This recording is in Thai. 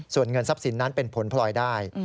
ส่วนเงินทรัพย์สินนั้นเป็นผลพลอยได้